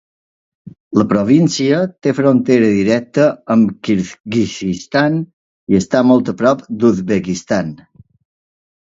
La província té frontera directa amb Kirguizistan i està molt a prop d'Uzbekistan.